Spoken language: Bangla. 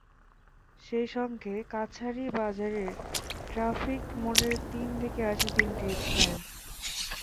সেই সঙ্গে কাছারি বাজারের ট্রাফিক মোড়ের তিন দিকে আছে তিনটি স্ট্যান্ড।